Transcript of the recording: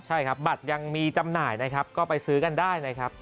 ใช่ครับบัตรยังมีจำหน่ายนะครับก็ไปซื้อกันได้นะครับ